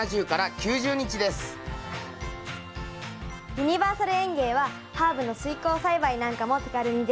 ユニバーサル園芸はハーブの水耕栽培なんかも手軽にできておすすめです。